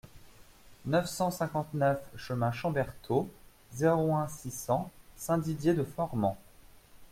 neuf cent cinquante-neuf chemin Chamberthaud, zéro un, six cents, Saint-Didier-de-Formans